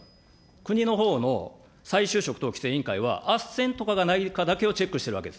国のほうの再就職等規制委員会はあっせんとかがないかだけをチェックしてるわけです。